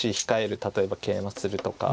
例えばケイマするとか。